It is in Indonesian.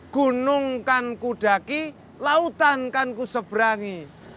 gunung kan ku daki lautan kan ku sebrangi